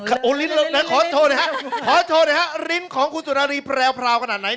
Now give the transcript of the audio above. ขอโชว์หน่อยครับขอโชว์หน่อยครับลิ้นของคุณสุนารีแพรวขนาดไหน